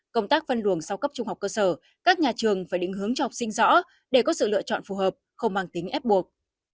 công tác phân luồng sau cấp trung học cơ sở các nhà trường phải định hướng cho học sinh rõ để có sự lựa chọn phù hợp không mang tính ép buộc